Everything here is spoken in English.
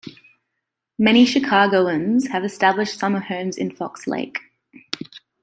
Many Chicagoans have established summer homes in Fox Lake.